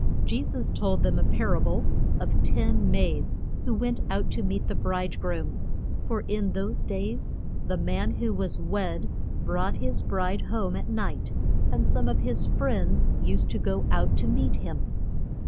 Je sus told them a par a ble of ten maids who went out to meet the bride groom. For in those days the man who was wed brought his bride home at night, and some of his friends used to go out to meet him.